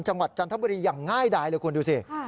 จันทบุรีอย่างง่ายดายเลยคุณดูสิ